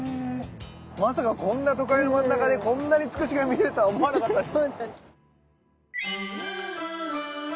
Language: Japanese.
まさかこんな都会の真ん中でこんなにツクシが見れるとは思わなかったです。